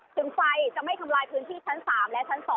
ไฟจะไม่ทำลายพื้นที่ชั้น๓และชั้น๒